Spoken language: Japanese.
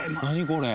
これ。